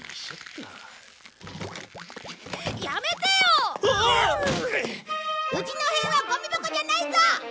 うちの塀はゴミ箱じゃないぞ！